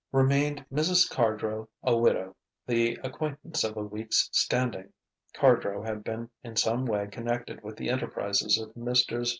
Remained Mrs. Cardrow, a widow, the acquaintance of a week's standing. Cardrow had been in some way connected with the enterprises of Messrs.